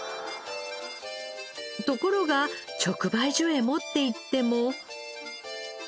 ところが直売所へ持って行っても。